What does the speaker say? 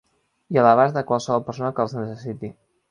I a l'abast de qualsevol persona que els necessiti.